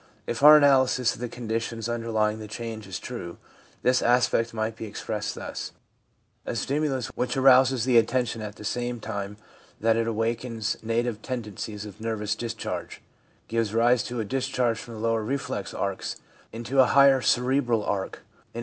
If our analysis of the conditions underlying the change is true, this aspect might be expressed thus : a stimulus, which arouses the attention at the same time that it awakens native tendencies of nervous discharge, gives rise to a discharge from the lower reflex arcs into a higher cerebral arc {i.e.